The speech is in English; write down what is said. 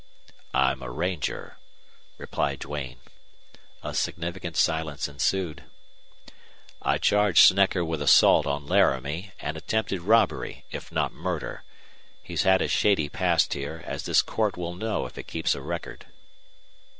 "I'm a ranger," replied Duane. A significant silence ensued. "I charge Snecker with assault on Laramie and attempted robbery if not murder. He's had a shady past here, as this court will know if it keeps a record."